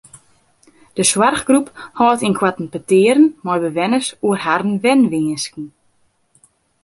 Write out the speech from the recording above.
De soarchgroep hâldt ynkoarten petearen mei bewenners oer harren wenwinsken.